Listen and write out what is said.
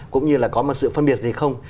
cũng như là có một sự phân biệt gì không